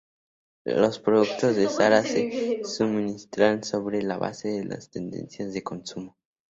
Los productos de Zara se suministran sobre la base de las tendencias de consumo.